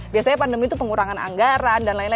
biasanya pandemi itu pengurangan anggaran dan lain lain